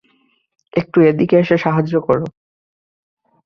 একটু এদিকে এসে সাহায্য কর।